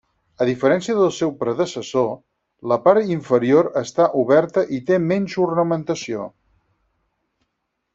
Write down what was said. A diferència del seu predecessor, la part inferior està oberta i té menys ornamentació.